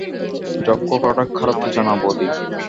যজ্ঞ করাটা খারাপ কিছু না, বৌদি।